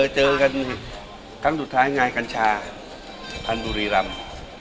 เจอกันข้างสุดท้ายอย่างไงกันชาภัณฑุรีรำ